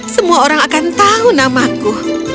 semua orang akan tahu namaku